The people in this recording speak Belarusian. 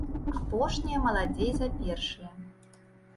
Апошнія маладзей за першыя.